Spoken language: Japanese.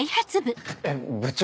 えっ部長。